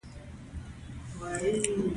د هوښیارۍ په کتاب کې ایمانداري لومړی فصل دی.